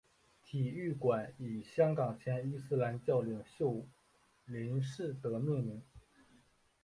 体育馆以香港前伊斯兰教领袖林士德命名。